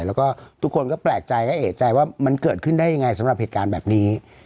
แล้วก็ทุกคนก็แปลกใจและเอกใจว่ามันเกิดขึ้นได้ยังไงสำหรับเหตุการณ์แบบนี้